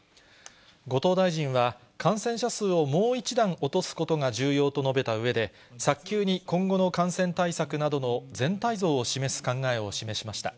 後藤大臣は、感染者数をもう一段落とすことが重要と述べたうえで、早急に今後の感染対策などの全体像を示す考えを示しました。